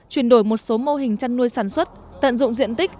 chuyển đổi một số mô hình chăn nuôi sản xuất tận dụng diện tích